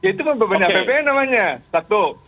itu membebani pbn namanya satu